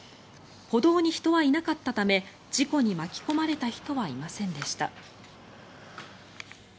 歩道に人はいなかったため事故に巻き込まれた人はいませんでした。